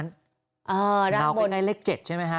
นาวใกล้เล็ก๗ใช่ไหมคะ